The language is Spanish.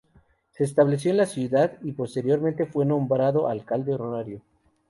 Se estableció en la ciudad y posteriormente fue nombrado alcalde honorario.